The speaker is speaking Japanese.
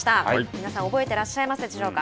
皆さん、覚えていらっしゃいますでしょうか。